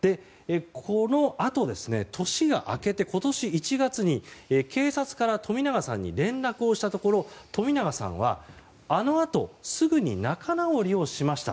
このあと、年が明けて今年１月に警察から冨永さんに連絡をしたところ冨永さんはあのあとすぐに仲直りをしました。